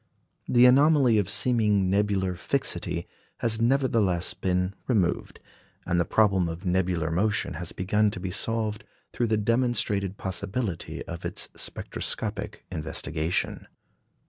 The anomaly of seeming nebular fixity has nevertheless been removed; and the problem of nebular motion has begun to be solved through the demonstrated possibility of its spectroscopic investigation.